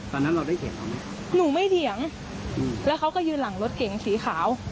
ตอนนั้นเราได้เห็นเขาไหมหนูไม่เถียงอืมแล้วเขาก็ยืนหลังรถเก๋งสีขาว